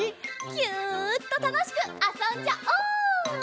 ギュッとたのしくあそんじゃおう！